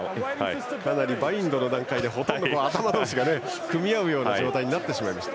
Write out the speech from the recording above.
かなりバインドの段階で頭同士が組み合う状態になってしまいました。